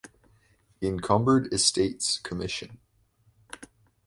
Incumbered Estates Commission.